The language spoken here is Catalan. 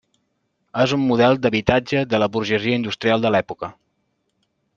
És un model d'habitatge de la burgesia industrial de l'època.